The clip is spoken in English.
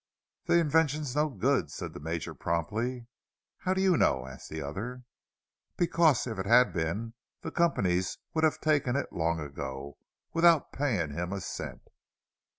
"The invention's no good," said the Major, promptly. "How do you know?" asked the other. "Because, if it had been, the companies would have taken it long ago, without paying him a cent."